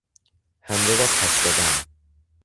حمله را پس زدن